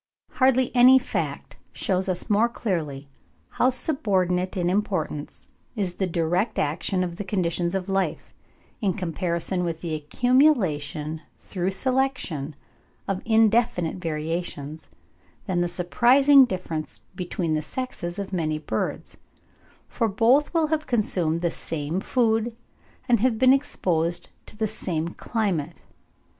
Hardly any fact shews us more clearly how subordinate in importance is the direct action of the conditions of life, in comparison with the accumulation through selection of indefinite variations, than the surprising difference between the sexes of many birds; for both will have consumed the same food, and have been exposed to the same climate.